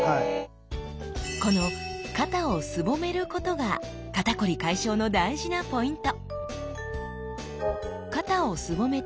この肩をすぼめることが肩こり解消の大事なポイント！